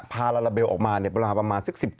พาราเริลออกมาประมาณ๑๗นาฬิกา